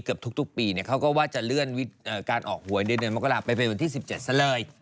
เกือบทุกปีเขาก็ว่าจะเลื่อนการออกหวยในเดือนมกราศไปเป็นวันที่๑๗ซะเลย